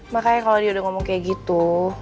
makanya kalau dia udah ngomong kayak gitu